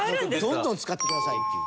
どんどん使ってくださいっていう。